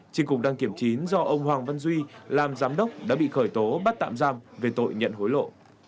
trên cục đăng kiểm chín do ông hoàng văn duy làm giám đốc đã bị khởi tố bắt tạm giam về tội nhận hối lộ